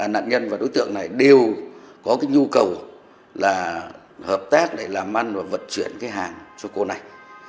nạn nhân và đối tượng này đều có cái nhu cầu là hợp tác để làm ăn và vật chuyển cái hàng cho cô này